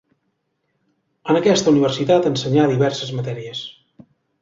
En aquesta universitat ensenyà diverses matèries.